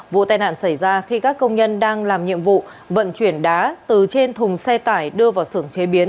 vụ tai nạn xảy ra khi các công nhân đang làm nhiệm vụ vận chuyển đá từ trên thùng xe tải đưa vào sưởng chế biến